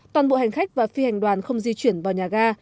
toàn bộ hành khách và phi hành đoàn không di chuyển vào nhà ga